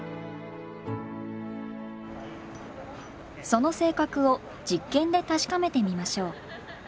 その性格を実験で確かめてみましょう。